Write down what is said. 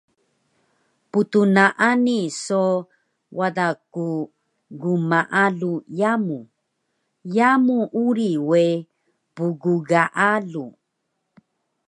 Ptnaani so wada ku gmaalu yamu, yamu uri we pggaalu